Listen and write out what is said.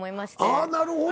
ああなるほど。